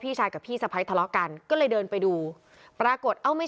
ชายกับพี่สะพ้ายทะเลาะกันก็เลยเดินไปดูปรากฏเอ้าไม่